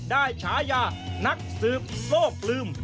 ได้ช้าญานักสืบโศกลึม